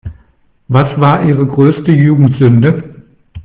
Was war Ihre größte Jugendsünde?